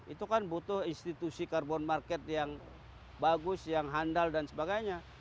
itu kan butuh institusi carbon market yang bagus yang handal dan sebagainya